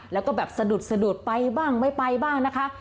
แล้วก็แบบสะดุดสะดุดไปบ้างไม่ไปบ้างนะคะ